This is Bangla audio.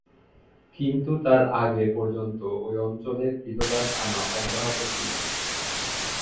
কিন্তু তার আগে পর্যন্ত ঐ অঞ্চলে ক্রীতদাস আনা অব্যাহত ছিল।